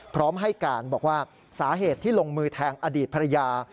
พร้อมให้การบอกว่าสาเหตุที่ลงมือแทงอดีตภรรยา